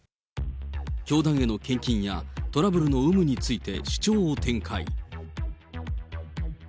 教団への献金やトラブルの有無について主張を展開。